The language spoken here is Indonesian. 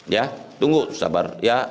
ya tunggu sabar